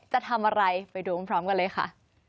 จะทำอะไรไปดูพร้อมกันเลยค่ะ